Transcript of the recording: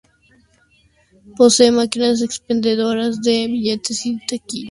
Posee máquinas expendedoras de billetes y taquillas abiertas todos los días en horario comercial.